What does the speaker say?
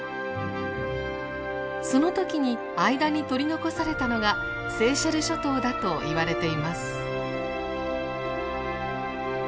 その時に間に取り残されたのがセーシェル諸島だと言われています。